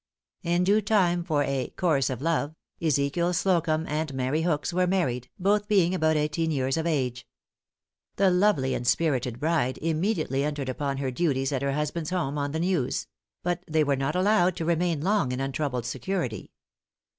In due time for a "course of love," Ezekiel Slocumb and Mary Hooks were married, both being about eighteen years of age. The lovely and spirited bride immediately entered upon her duties at her husband's home on the Neuse; but they were not allowed to remain long in untroubled security.